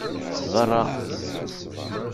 Berra!